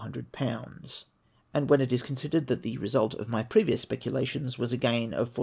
And when it is considered that the result of my previous speculations was a gain of 4,200